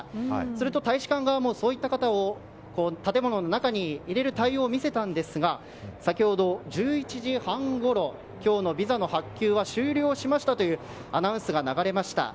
すると、大使館側もそういった方を建物の中に入れる対応を見せたんですが先ほど、１１時半ごろ今日のビザの発給は終了しましたというアナウンスが流れました。